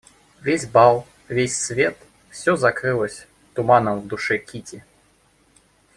Весь бал, весь свет, всё закрылось туманом в душе Кити.